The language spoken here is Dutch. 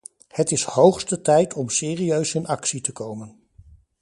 Het is hoogste tijd om serieus in actie te komen.